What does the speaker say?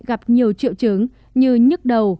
gặp nhiều triệu chứng như nhức đầu